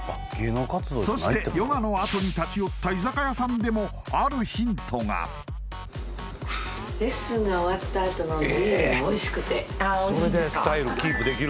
そしてヨガのあとに立ち寄った居酒屋さんでもあるヒントがあおいしいんですか？